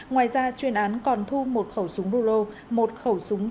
ngoài ra chuyên án còn thu một khẩu súng ruro một khẩu súng chưa rõ loại và bảy khẩu súng hơi